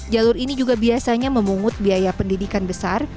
jalur ini juga biasanya memungut biaya pendidikan besar